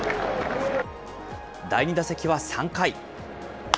第２打席は３回。